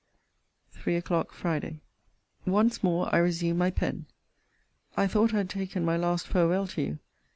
THREE O'CLOCK, FRIDAY. Once more I resume my pen. I thought I had taken my last farewell to you.